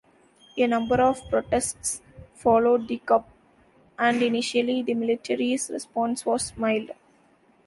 A number of protests followed the coup, and initially the military's response was mild.